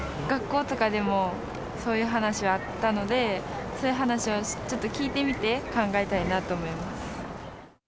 学校とかでもそういう話はあったので、そういう話をちょっと聞いてみて考えたいなと思います。